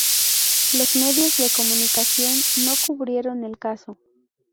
Los medios de comunicación no cubrieron el caso.